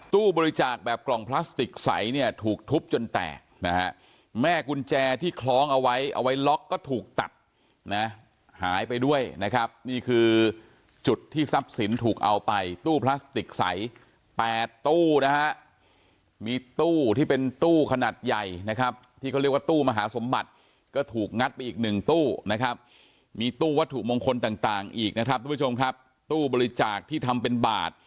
ตู้บริจาคแบบกล่องพลาสติกใสเนี่ยถูกทุบจนแตกนะฮะแม่กุญแจที่คล้องเอาไว้เอาไว้ล็อกก็ถูกตัดนะหายไปด้วยนะครับนี่คือจุดที่ทรัพย์สินถูกเอาไปตู้พลาสติกใส๘ตู้นะฮะมีตู้ที่เป็นตู้ขนาดใหญ่นะครับที่เขาเรียกว่าตู้มหาสมบัติก็ถูกงัดไปอีกหนึ่งตู้นะครับมีตู้วัตถุมงคลต่างอีกนะครับทุกผู้ชมครับตู้บริจาคที่ทำเป็นบาท